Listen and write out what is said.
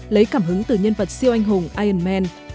lấy cảm hứng từ nhân vật siêu anh hùng iron man